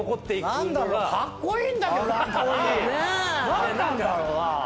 何なんだろうな？